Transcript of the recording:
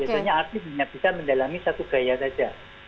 biasanya artis hanya bisa mendalami satu gaya saja